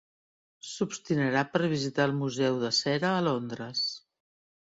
S'obstinarà per visitar el museu de cera a Londres.